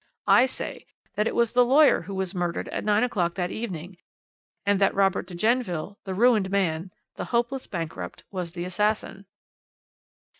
I say that it was the lawyer who was murdered at nine o'clock that evening, and that Robert de Genneville, the ruined man, the hopeless bankrupt, was the assassin."